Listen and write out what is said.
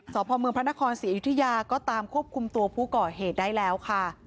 สพเมืองพระนครศรีอยุธยาก็ตามควบคุมตัวผู้ก่อเหตุได้แล้วค่ะ